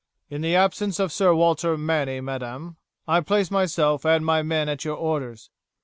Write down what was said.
"In the absence of Sir Walter Manny, madam, I place myself and my men at your orders.